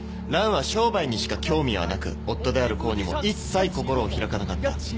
ランは商売にしか興味はなく夫であるコウにも一切心を開かなかった。